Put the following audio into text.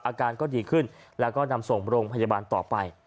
อาการก็ดีขึ้นแล้วก็นำส่งโรงพยาบาลต่อไป